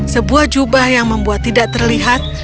sebuah jubah yang membuat tidak terlihat